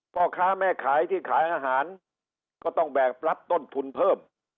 พ่อค้าแม่ขายที่ขายอาหารก็ต้องแบกรับต้นทุนเพิ่ม